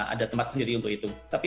ada tempat sendiri untuk itu tapi